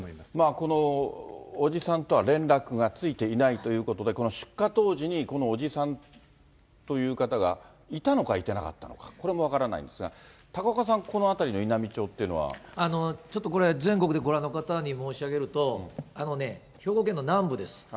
この伯父さんとは連絡がついていないということで、この出火当時に、この伯父さんという方がいたのかいてなかったのか、これも分からないんですが、高岡さん、ちょっとこれ、全国でご覧の方に申し上げると、あのね、兵庫県の南部です。